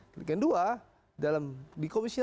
dan kedua di komisi enam